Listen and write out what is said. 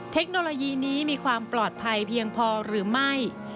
เทคโนโลยีนี้มีความปลอดภัยเพียงพอหรือไม่